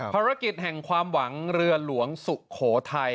ภารกิจแห่งความหวังเรือหลวงสุโขทัย